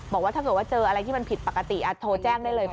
บอกว่าถ้าเกิดว่าเจออะไรที่มันผิดปกติโทรแจ้งได้เลย